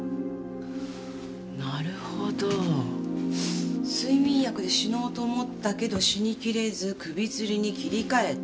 なるほど睡眠薬で死のうと思ったけど死に切れず首つりに切り替えた。